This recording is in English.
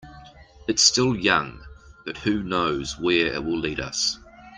It's still young, but who knows where it will lead us.